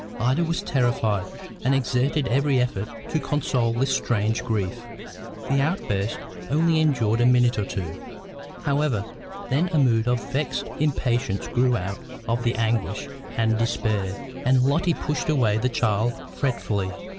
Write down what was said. Ida was terrified, and exerted every effort to console this strange grief. The outburst only endured a minute or two, however; then a mood of vexed impatience grew out of the anguish and despair, and Lotty pushed away the child fretfully.